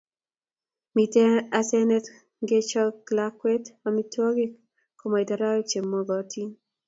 Mitei asenet ngekoch lakwet amitwogik komait oroek che mokotin